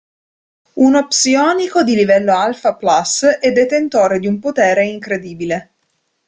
Uno psionico di livello Alpha Plus, è detentore di un potere incredibile.